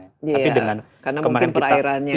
iya karena mungkin perairannya